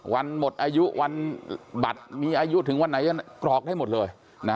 วันหมดอายุวันบัตรมีอายุถึงวันไหนกรอกได้หมดเลย